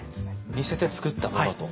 似せて作ったものと。